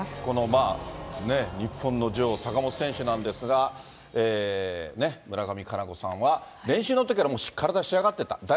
この日本の女王、坂本選手なんですが、村上佳菜子さんは練習のときからしっかり体仕上がってた。